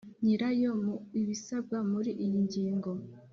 nyirayo Mu ibisabwa muri iyi ngingo